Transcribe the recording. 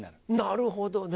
なるほどね。